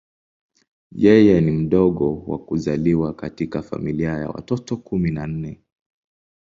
Yeye ni mdogo kwa kuzaliwa katika familia ya watoto kumi na nne.